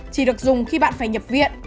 chỉ được dùng khi bạn phải nhập viện